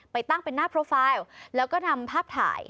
ไปตั้งเป็นหน้าโปรไฟล์แล้วก็นำภาพถ่าย